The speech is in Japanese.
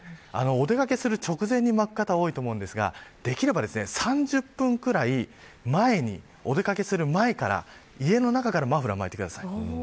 お出掛けする直前に巻く方が多いのですができれば３０分くらい前に家の中からマフラーを巻いてください。